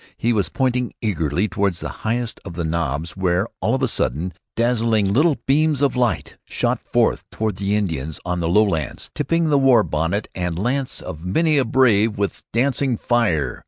He was pointing eagerly toward the highest of the knobs, where, all on a sudden, dazzling little beams of light shot forth toward the Indians in the lowlands, tipping the war bonnet and lance of many a brave with dancing fire.